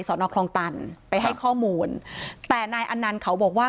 คลองตันไปให้ข้อมูลแต่นายอันนันต์เขาบอกว่า